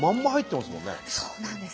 そうなんです。